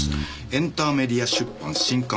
『エンターメディア出版新刊案内』。